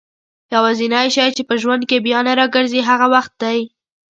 يوازينی شی چي په ژوند کي بيا نه راګرځي هغه وخت دئ